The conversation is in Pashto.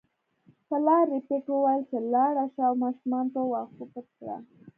پلار ربیټ وویل چې لاړه شه او ماشومان په واښو پټ کړه